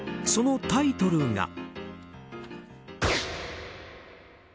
そのタイトルが。